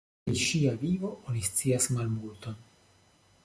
Pri ŝia vivo oni scias malmulton.